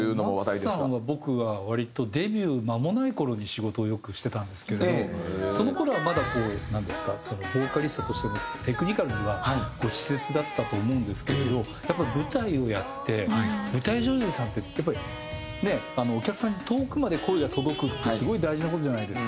松さんは僕は割とデビュー間もない頃に仕事をよくしてたんですれどもその頃はまだこうなんですかボーカリストとしてのテクニカルには稚拙だったと思うんですけれどやっぱり舞台をやって舞台女優さんってやっぱりお客さんに遠くまで声が届くってすごい大事な事じゃないですか。